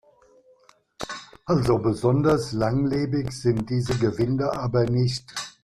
Also besonders langlebig sind diese Gewinde aber nicht.